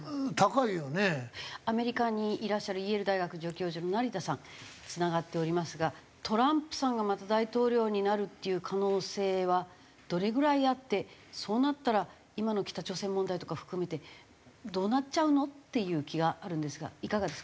アメリカにいらっしゃるイェール大学助教授の成田さんつながっておりますがトランプさんがまた大統領になるっていう可能性はどれぐらいあってそうなったら今の北朝鮮問題とか含めてどうなっちゃうの？っていう気があるんですがいかがですか？